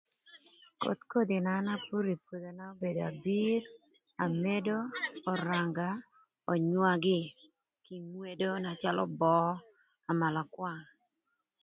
koth kodhi na an apuro ï pwodhona obedo abir, amedo, öranga, önywagï kï ngwedo na calö böö, amalakwang.